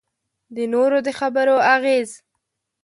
د نورو د خبرو اغېز.